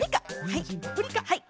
はい。